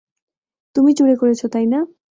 তুমি চুরি করেছ, তাই না!